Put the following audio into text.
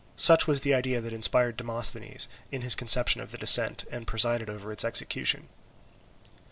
Such was the idea that inspired Demosthenes in his conception of the descent, and presided over its execution.